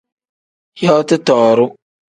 Yooti tooru.